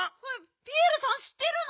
ピエールさんしってるの？